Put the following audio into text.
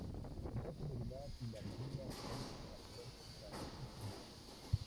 El traje regular y la armadura que usa para pelear contra Superman.